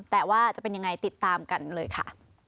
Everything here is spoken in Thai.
แต่ว่าจะเป็นยังไงติดตามกันเลยค่ะ